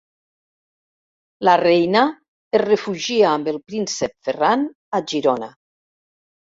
La reina es refugia amb el príncep Ferran a Girona.